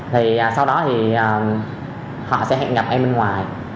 thì sau đó thì họ sẽ hẹn gặp em bên ngoài